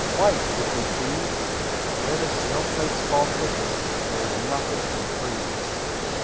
white, if we please; Where the snow flakes fall thickest there's noth ing can freeze!